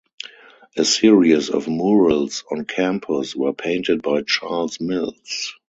A series of murals on campus were painted by Charles Mills.